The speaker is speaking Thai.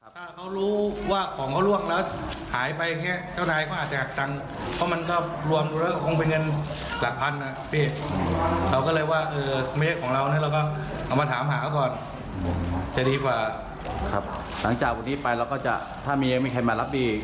ตากแห้งรอเจ้าของนะครับตากแห้งรอเจ้าของถ้าแบบดีนะครับ